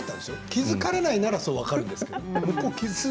気付かれないなら分かるんですけれども。